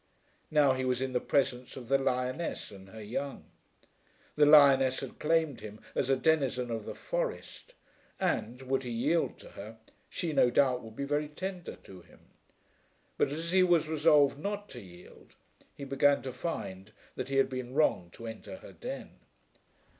Now he was in the presence of the lioness and her young. The lioness had claimed him as a denizen of the forest; and, would he yield to her, she no doubt would be very tender to him. But, as he was resolved not to yield, he began to find that he had been wrong to enter her den.